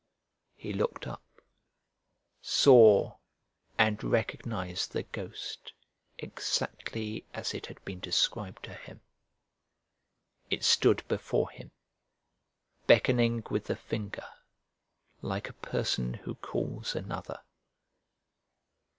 He looked up, saw, and recognized the ghost exactly as it had been described to him: it stood before him, beckoning with the finger, like a person who calls another.